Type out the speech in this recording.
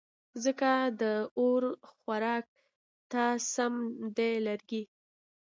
ځکه د اور خوراک ته سم دي لرګې